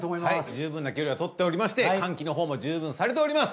十分な距離はとっておりまして換気のほうも十分されております。